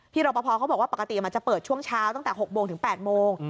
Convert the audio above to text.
รอปภเขาบอกว่าปกติมันจะเปิดช่วงเช้าตั้งแต่๖โมงถึง๘โมง